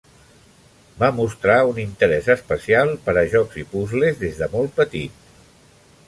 Va mostrar un interès especial per a jocs i puzles des de molt petit.